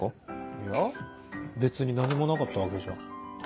いや別に何もなかったわけじゃ。